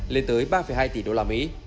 lên tới ba hai tỷ đô la mỹ